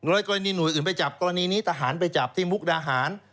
โดยกรณีหน่วยอื่นไปจับกรณีนี้ทหารไปจับที่มุกดาหาร